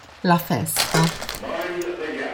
La festa